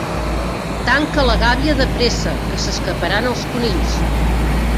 Tanca la gàbia de pressa que s'escaparan els conills.